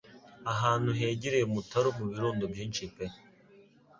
Ahantu hegereye umutaru mubirundo byinshi pe